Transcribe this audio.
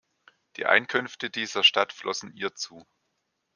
Die Einkünfte dieser Stadt flossen ihr zu.